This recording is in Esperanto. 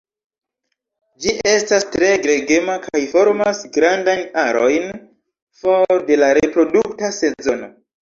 Ĝi estas tre gregema, kaj formas grandajn arojn for de la reprodukta sezono.